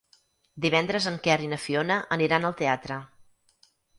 Divendres en Quer i na Fiona aniran al teatre.